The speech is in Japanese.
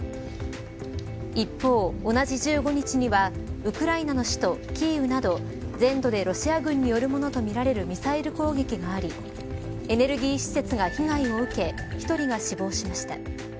一方、同じ１５日にはウクライナの首都キーウなど全土でロシア軍によるものとみられるミサイル攻撃がありエネルギー施設が被害を受け１人が死亡しました。